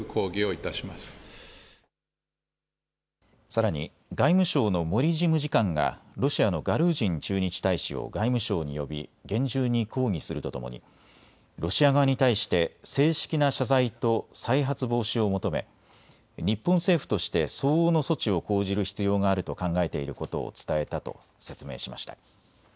さらに外務省の森事務次官がロシアのガルージン駐日大使を外務省に呼び厳重に抗議するとともにロシア側に対して正式な謝罪と再発防止を求め日本政府として相応の措置を講じる必要があると考えていることを伝えたと説明しました。